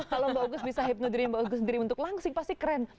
kalau mbak ugus bisa hipno dirinya mbak ugus sendiri untuk langsing pasti keren